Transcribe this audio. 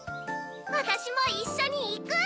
わたしもいっしょにいく！